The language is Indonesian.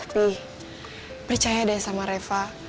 percaya deh sama reva